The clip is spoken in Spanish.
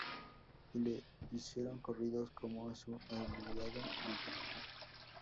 Y le hicieron corridos como a su aliado Villa.